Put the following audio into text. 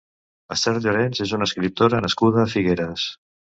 Esther Llorenç és una escriptora nascuda a Figueres.